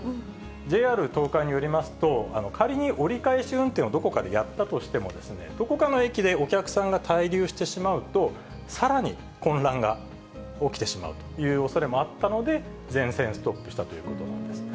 ＪＲ東海によりますと、仮に折り返し運転をどこかでやったとしても、どこかの駅でお客さんが滞留してしまうと、さらに混乱が起きてしまうというおそれもあったので、全線ストップしたということなんです。